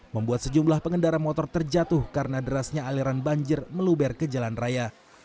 membuat sejumlah pengendara motor terjatuh karena derasnya aliran banjir meluber ke jalan raya